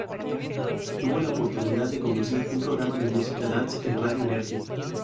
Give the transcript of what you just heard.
Tuvo la oportunidad de conducir un programa de música dance en radio Energy.